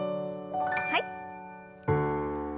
はい。